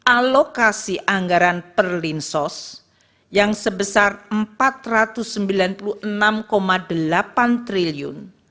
alokasi anggaran per linsos yang sebesar rp empat ratus sembilan puluh enam delapan triliun